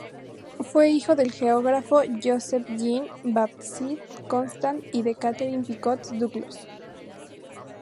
Fue hijo del geógrafo Joseph-Jean-Baptiste Constant y de Catherine Pichot-Duclos.